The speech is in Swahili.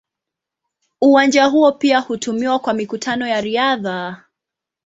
Uwanja huo pia hutumiwa kwa mikutano ya riadha.